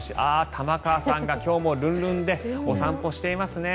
玉川さんが今日もルンルンでお散歩していますね。